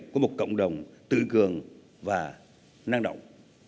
của một cộng đồng tự cường và năng động